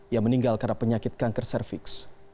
ia meninggal karena penyakit kanker cervix